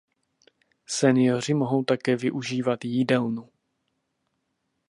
Senioři mohou také využívat jídelnu.